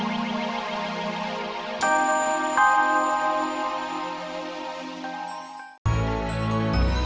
sampai jumpa lagi